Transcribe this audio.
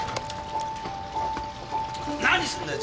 何すんだよ！